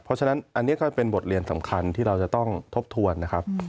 เพราะฉะนั้นอันนี้ก็เป็นบทเรียนสำคัญที่เราจะต้องทบทวนนะครับ